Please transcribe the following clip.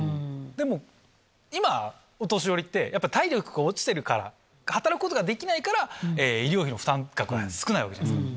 でも、今、お年寄りって、やっぱ体力が落ちてるから、働くことができないから、医療費の負担額が少ないわけじゃないですか。